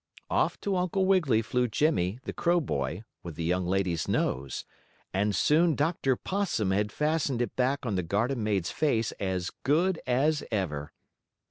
Off to Uncle Wiggily flew Jimmie, the crow boy, with the young lady's nose, and soon Dr. Possum had fastened it back on the garden maid's face as good as ever.